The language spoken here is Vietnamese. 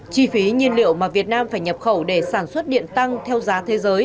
chi phí nhiên liệu mà việt nam phải nhập khẩu để sản xuất điện tăng theo giá thế giới